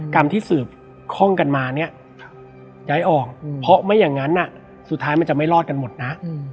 กรรมที่สืบคล่องกันมาเนี่ยย้ายออกเพราะไม่อย่างนั้นสุดท้ายมันจะไม่รอดกันหมดนะ